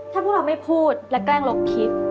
ถ้าพวกเราไม่พูดและแกล้งลบคิด